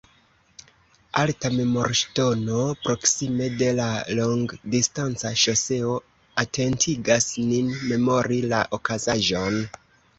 Alta memorŝtono proksime de la longdistanca ŝoseo atentigas nin memori la okazaĵon.